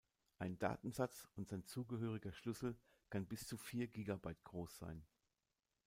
Ein Datensatz und sein zugehöriger Schlüssel kann bis zu vier Gigabyte groß sein.